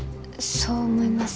そう思います？